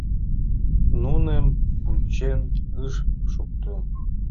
Нуным вучен ыш шукто.